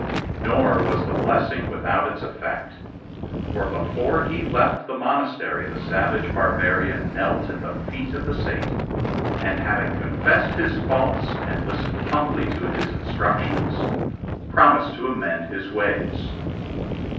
Nor was the blessing without its effect, for before he left the monastery the savage barbarian knelt at the feet of the Saint, and, having confessed his faults and listened humbly to his instructions, promised to amend his ways.